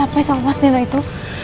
balon biru itu